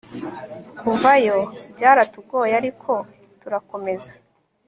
kuvayo byaratugoye ariko turakomeza